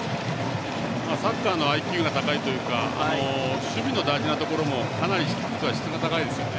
サッカーのＩＱが高いというか守備の大事なところもかなり質が高いですよね。